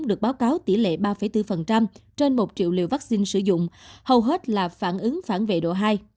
được báo cáo tỷ lệ ba bốn trên một triệu liều vaccine sử dụng hầu hết là phản ứng phản vệ độ hai